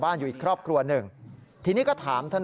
สายลูกไว้อย่าใส่